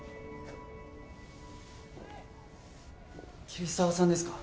桐沢さんですか？